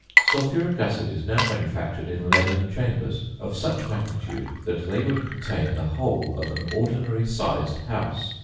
Sulphuric acid is now manufactured in leaden chambers, of such magnitude that they would contain the whole of an ordinary sized house.